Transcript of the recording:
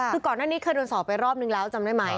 คือก่อนหน้านี้เคยโดนสอบไปรอบนึงแล้วจำได้ไหม